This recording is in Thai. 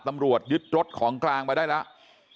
ตำรวจยึดรถของกลางมาได้แล้ว